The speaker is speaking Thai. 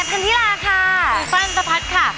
ฝั่งว่านวันสภัษคค่ะ